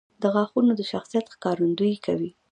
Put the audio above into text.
• غاښونه د شخصیت ښکارندویي کوي.